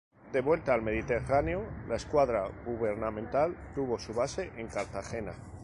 De vuelta al Mediterráneo, la escuadra gubernamental tuvo su base en Cartagena.